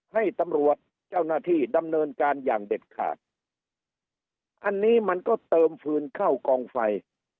ให้ตำรวจเจ้าหน้าที่ดำเนินการอย่างเด็ดขาดอันนี้มันก็เติมฟืนเข้ากองไฟ